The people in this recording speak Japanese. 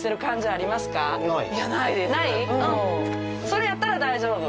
それやったら大丈夫。